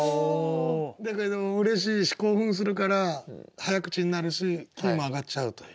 だけどもうれしいし興奮するから早口になるしキーも上がっちゃうという。